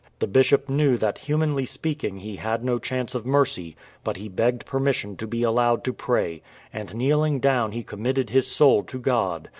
The Bishop knew that humanly speaking he had no chance of mercy, but he begged per mission to be allowed to pray, and kneeling down he com mitted his soul to God.